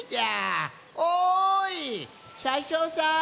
おいしゃしょうさん！